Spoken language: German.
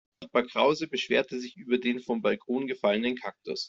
Nachbar Krause beschwerte sich über den vom Balkon gefallenen Kaktus.